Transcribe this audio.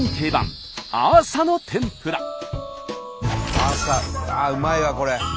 ああうまいわこれ。